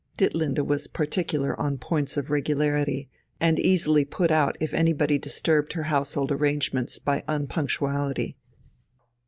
Ditlinde was particular on points of regularity, and easily put out if anybody disturbed her household arrangements by unpunctuality.